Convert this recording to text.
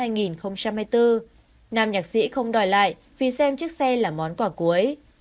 nam nhạc sĩ không đòi lại vì xem chiếc xe là món quả cuối